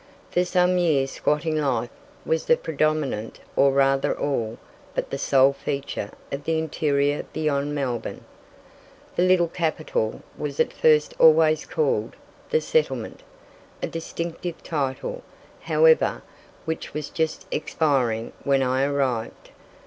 For some years squatting life was the predominant or rather all but the sole feature of the interior beyond Melbourne. The little capital was at first always called "the settlement" a distinctive title, however, which was just expiring when I arrived.